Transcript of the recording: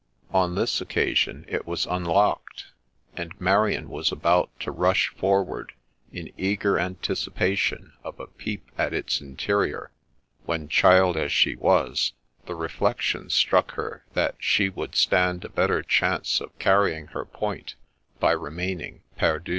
On this occasion it was unlocked, and Marian was about to rush forward in eager antici pation of a peep at its interior, when, child as she was, the reflection struck her that she would stand a better chance of carrying her point by remaining perdue.